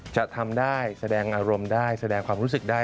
จะทำได้แสดงอารมณ์ได้แสดงความรู้สึกได้